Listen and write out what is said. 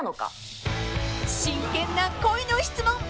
［真剣な恋の質問］